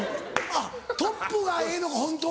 あっトップがええのかホントは。